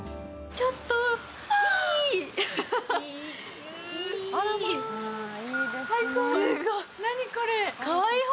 ちょっと、いい！